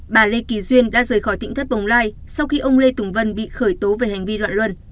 bà lê kỳ duyên đã rời khỏi tỉnh thất bồng lai sau khi ông lê tùng vân bị khởi tố về hành vi loạn luân